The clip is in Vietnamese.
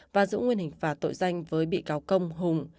và giữ nguyên hình phạt tội danh với bị cáo công hùng